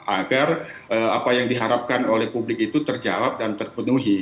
agar apa yang diharapkan oleh publik itu terjawab dan terpenuhi